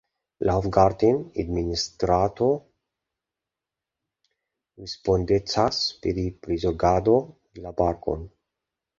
La Hofgarten-administrado respondecas pri prizorgado de la parkon.